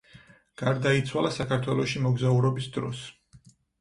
გარდაიცვალა საქართველოში მოგზაურობის დროს.